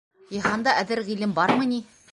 Йыһанда әҙер ғилем бармы ни?!